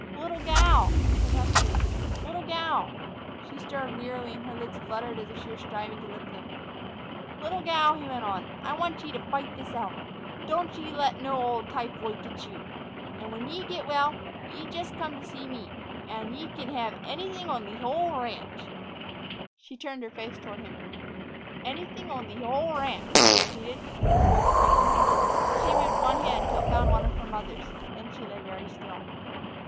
"Little gal!" he said huskily; "little gal!" She stirred wearily, and her lids fluttered as if she were striving to lift them. "Little gal," he went on; "I want ye t' fight this out. Don't ye let no ol' typhoid git you. An' when ye git well, ye jus' come to see me, an' ye kin hev anything on th' whole ranch." She turned her face toward him. "Anything on th' whole ranch," he repeated, his voice breaking. She moved one hand till it found one of her mother's, then she lay very still.